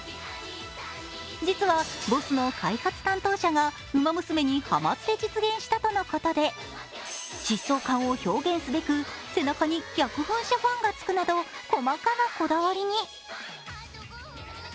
実は、ＢＯＳＳの開発担当者が「ウマ娘」にハマって実現したとのことで疾走感を再現するために背中に逆噴射ファンがつくなど細かなこだわりに。